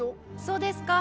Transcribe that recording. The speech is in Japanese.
そうですか。